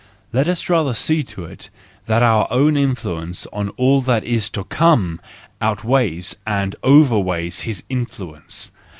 Let us rather see to it that our own influence on all that is to co7ne outweighs and overweighs his influence!